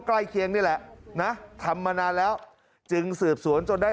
ใกล้เคียงนี่แหละนะทำมานานแล้วจึงสืบสวนจนได้